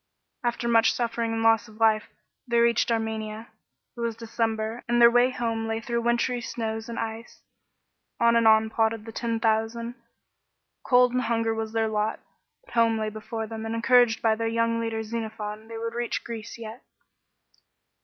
After much suffering and loss of life, they reached Armenia. It was December, and their way home lay through wintry snows and ice. On and on plodded the Ten Thousand ; cold and hunger was their lot, but home lay before them, and encouraged by their young leader Xenophon, they would reach Greece yet.